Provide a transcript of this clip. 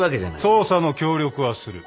捜査の協力はする。